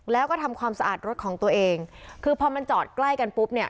แล้วก็ทำความสะอาดรถของตัวเองคือพอมันจอดใกล้กันปุ๊บเนี่ย